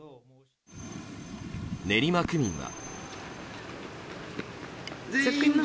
練馬区民は。